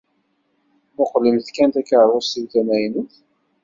Muqlemt kan takeṛṛust-iw tamaynut.